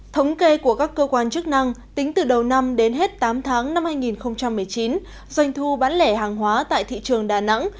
thống kê của các cơ quan chức năng tính từ đầu năm đến hết tám tháng năm hai nghìn một mươi chín doanh thu bán lẻ hàng hóa tại thị trường đà nẵng